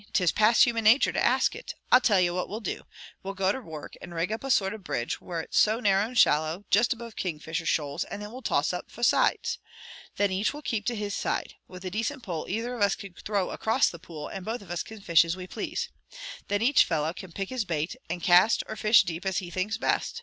"'Tis past human nature to ask it. I'll tell ye what we'll do. We'll go to work and rig up a sort of a bridge where it's so narrow and shallow, juist above Kingfisher shoals, and then we'll toss up fra sides. Then each will keep to his side. With a decent pole either of us can throw across the pool, and both of us can fish as we please. Then each fellow can pick his bait, and cast or fish deep as he thinks best.